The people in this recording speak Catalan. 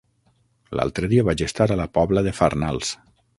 L'altre dia vaig estar a la Pobla de Farnals.